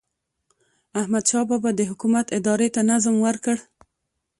احمدشاه بابا د حکومت ادارې ته نظم ورکړ.